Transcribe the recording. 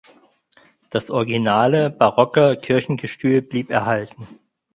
Das originale barocke Kirchengestühl blieb erhalten.